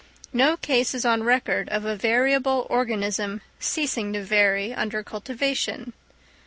No case is on record of a variable organism ceasing to vary under cultivation.